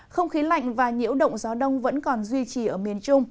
không khí lạnh và nhiễu động gió đông vẫn còn duy trì ở miền trung